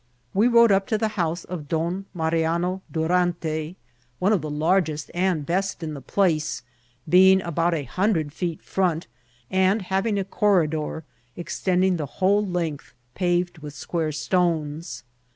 We rode up to the house of Don Mariano Durante, one of the largest and best in the place, being about a hundred feet front, and having a corridor extending the whole length, paved with square stones.